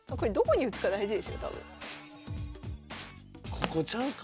ここちゃうか？